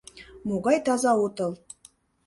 Могай таза отыл.